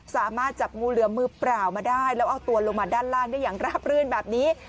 สามารถจับงูเหลือมมือเปล่ามาได้แล้วเอาตัวลงมาด้านล่างได้อย่างราบรื่นแบบนี้